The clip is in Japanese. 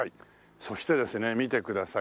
そしてですね見てください。